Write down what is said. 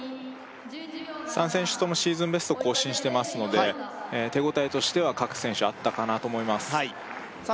３選手ともシーズンベスト更新してますので手応えとしては各選手あったかなと思いますさあ